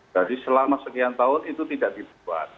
jadi selama sekian tahun itu tidak dibuat